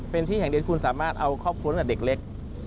เป็นที่แห่งเดียวที่คุณสามารถเอาครอบครัวตั้งแต่เด็กเล็ก